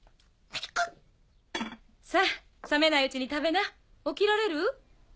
クッ‼さぁ冷めないうちに食べな起きられる？